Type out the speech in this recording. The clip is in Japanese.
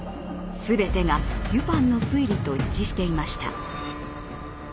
全てがデュパンの推理と一致していました。